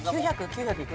９００い